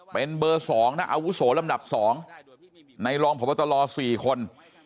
เป็นเบอร์๒นะอาวุโสลำดับ๒ในรองพบตร๔คน